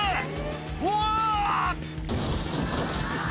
「うわ！」